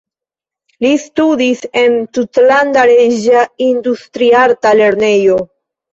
Li studis en Tutlanda Reĝa Industriarta Lernejo.